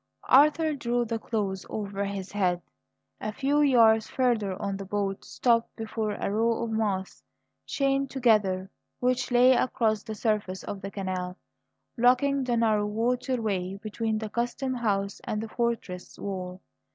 Arthur drew the clothes over his head. A few yards further on the boat stopped before a row of masts chained together, which lay across the surface of the canal, blocking the narrow waterway between the custom house and the fortress wall.